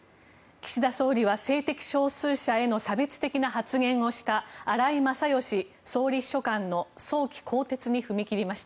岸田総理は性的少数者への差別的発言をした荒井勝喜総理秘書官の早期更迭に踏み切りました。